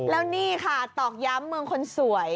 แล้วนี่ค่ะตอกย้ำเมืองคนสวย